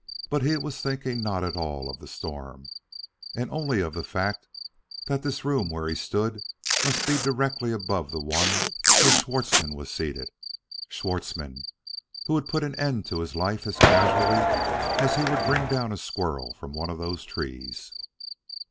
But he was thinking not at all of the storm, and only of the fact that this room where he stood must be directly above the one where Schwartzmann was seated. Schwartzmann who would put an end to his life as casually as he would bring down a squirrel from one of those trees!